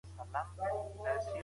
زه اوس د کور کالي مينځم.